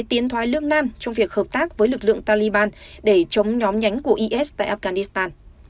trong việc hợp tác với lực lượng taliban để chống nhóm nhánh của is tại afghanistan